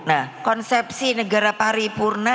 nah konsepsi negara paripurna